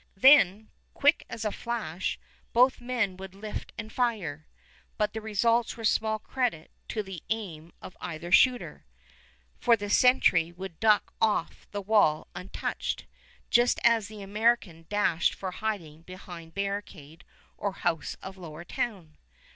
Then, quick as a flash, both men would lift and fire; but the results were small credit to the aim of either shooter, for the sentry would duck off the wall untouched, just as the American dashed for hiding behind barricade or house of Lower Town.